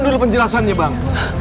ini dulu penjelasannya bang